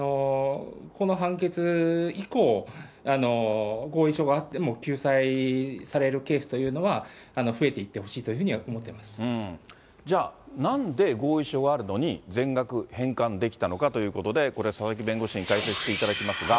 この判決以降、合意書があっても救済されるケースというのは、増えていってほしいというふうに思っていますじゃあ、なんで合意書があるのに全額返還できたのかということで、これ、佐々木弁護士に解説していただきますが。